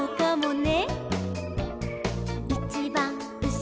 「ね！」